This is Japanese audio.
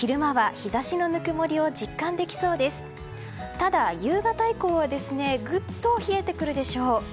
ただ、夕方以降はぐっと冷えてくるでしょう。